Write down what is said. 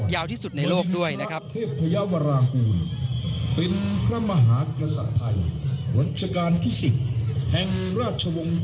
ยาวที่สุดในโลกด้วยนะครับ